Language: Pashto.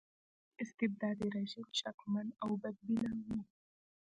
د چین استبدادي رژیم شکمن او بدبینه و.